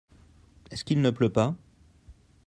Est-ce qu'il ne pleut pas ?